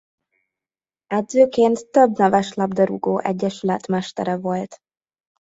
Edzőként több neves labdarúgó egyesület mestere volt.